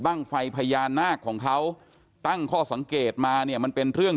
ไฟพญานาคของเขาตั้งข้อสังเกตมาเนี่ยมันเป็นเรื่อง